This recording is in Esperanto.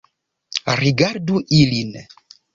Rigardu ilin